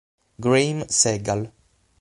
Graeme Segal